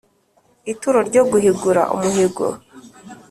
Ituro ryo guhigura umuhigo